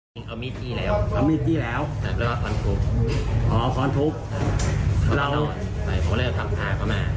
ดูมาผมจูงแขนเขาขึ้นมาแล้วเขาก็เหมือนช่วยตัวเองขึ้นมา